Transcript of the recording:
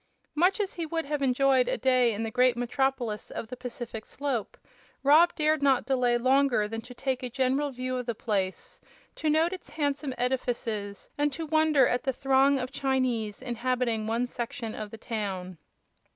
Much as he would have enjoyed a day in the great metropolis of the Pacific slope, Rob dared not delay longer than to take a general view of the place, to note its handsome edifices and to wonder at the throng of Chinese inhabiting one section of the town.